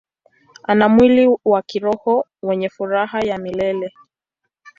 Ana mwili wa kiroho wenye furaha ya milele.